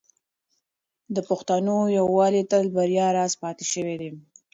د پښتنو یووالی تل د بریا راز پاتې شوی دی.